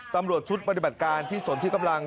ตำรวจชุดปฏิบัติการที่สนที่กำลัง